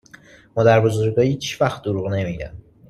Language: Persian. مادر بزرگا هیچ وقت دروغ نمیگن